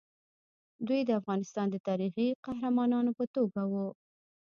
دوی د افغانستان د تاریخي قهرمانانو په توګه وو.